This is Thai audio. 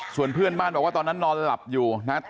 ส่วนเพื่อนบ้านบอกว่าตอนนั้นนอนหลับอยู่นะครับ